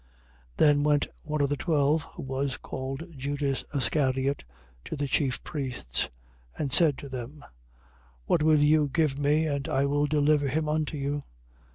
26:14. Then went one of the twelve, who was called Judas Iscariot, to the chief priests. 26:15. And said to them: What will you give me, and I will deliver him unto you?